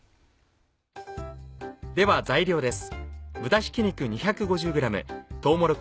では材料です。